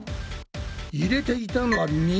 入れていたのは水！